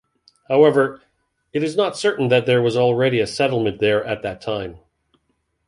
However, it is not certain that there was already a settlement there at that time.